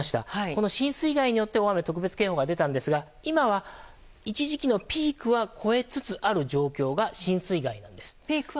この浸水害によって大雨特別警報が出たんですが、今は一時期のピークは越えつつある状況が浸水害です。